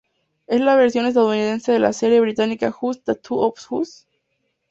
Es la versión estadounidense de la serie británica Just Tattoo of Us?.